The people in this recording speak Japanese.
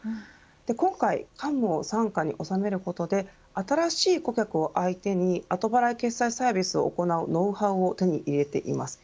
今回カンムを傘下に収めることで新しい顧客を相手に後払い決済サービスを行うノウハウを手に入れています。